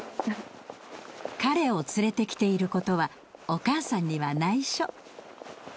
彼を連れてきていることはお母さんには内緒。